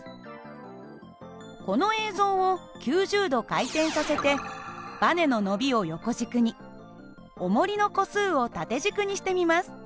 この映像を９０度回転させてばねの伸びを横軸におもりの個数を縦軸にしてみます。